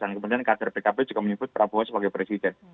dan kemudian kader pkb juga menyebut prabowo sebagai presiden